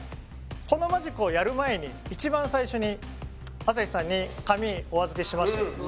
このマジックをやる前に一番最初に朝日さんに紙お預けしました